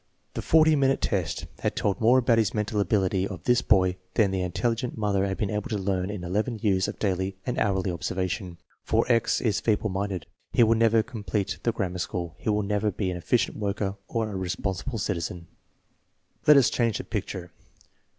The forty minute test had told more about the mental ability of this boy than the intelligent mother had been able to learn in eleven years of daily and hourly observation. For X is feeble minded; he will never complete the grammar school; he will never be an efficient worker or a responsible citizen. Let us change the picture.